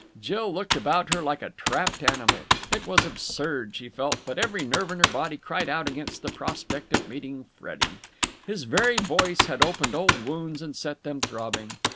Jill looked about her like a trapped animal. It was absurd, she felt, but every nerve in her body cried out against the prospect of meeting Freddie. His very voice had opened old wounds and set them throbbing.